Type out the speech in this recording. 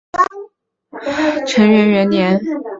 承元元年九条兼实薨。